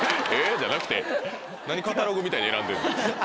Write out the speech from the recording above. じゃなくて何カタログみたいに選んでるの。